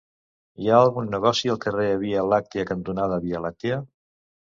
Hi ha algun negoci al carrer Via Làctia cantonada Via Làctia?